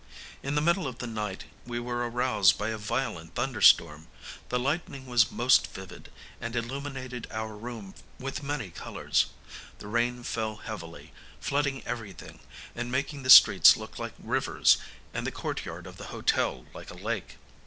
In the middle of the night we were aroused by a violent thunderstorm. The lightning was most vivid, and illuminated our room with many colours. The rain fell heavily, flooding everything, and making the streets look like rivers, and the courtyard of the hotel like a lake.